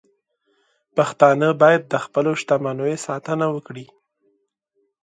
پښتانه باید د خپلو شتمنیو ساتنه وکړي.